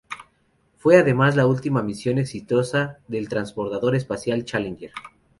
Fue además la última misión exitosa del Transbordador espacial "Challenger".